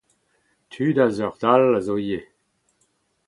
Tud a seurt all a zo ivez.